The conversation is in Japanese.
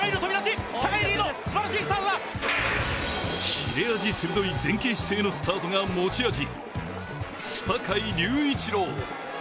切れ味鋭い前傾姿勢のスタートが持ち味。